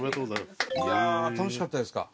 いや楽しかったですか？